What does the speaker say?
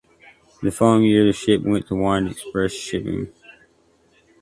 The following year the ship went to Wind Express Shipping.